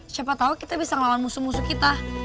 siapa tahu kita bisa melawan musuh musuh kita